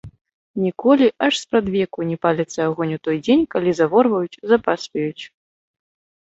Ніколі, аж спрадвеку, не паліцца агонь у той дзень, калі заворваюць, запасваюць.